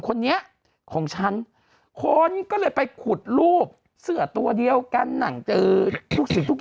คนเนี้ยของฉันคนก็เลยไปขุดรูปเสือตัวเดียวกันหนังจือทุก